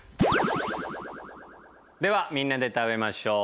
ではみんなで食べましょう。